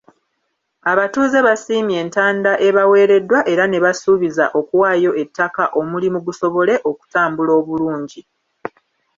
Abatuuze basiimye entanda ebaweereddwa era ne basuubiza okuwaayo ettaka omulimu gusobole okutambula obulungi.